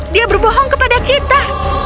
dia berbohong kepada kita